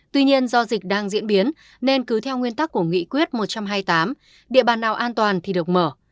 tuy nhiên do dịch đang diễn biến nên cứ theo nguyên tắc của nghị quyết một trăm hai mươi tám địa bàn nào an toàn thì được mở